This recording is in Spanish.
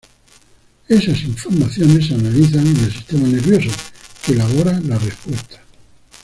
Esas informaciones se analizan en el sistema nervioso, que elabora las respuestas.